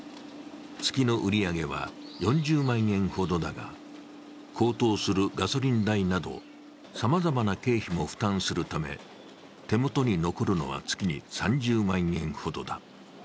月の売り上げは４０万円ほどだが高騰するガソリン代など、さまざまな経費も負担するため、手元に残るのは月に３０万円ほどだ。